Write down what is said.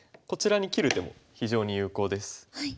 こちらに切る手も非常に有効です。